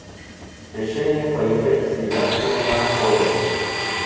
Решение поехать к Свияжскому на охоту.